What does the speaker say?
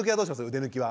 腕抜きは。